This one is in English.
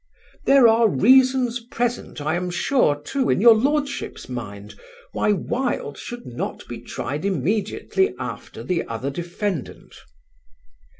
"There are reasons present, I am sure, too, in your Lordship's mind, why Wilde should not be tried immediately after the other defendant."